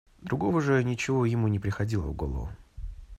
Другого же ничего ему не приходило в голову.